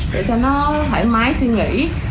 để cho nó thoải mái suy nghĩ